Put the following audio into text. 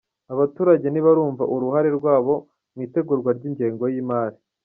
Abaturage ntibarumva uruhare rwabo mu itegurwa ry’Ingengo y’imari